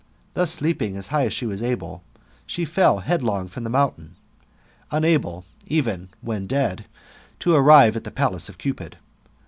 Then leaping up as high as she was able, she fell headlong from the mountain, unable even when dead to arrive at the palace of Cupid.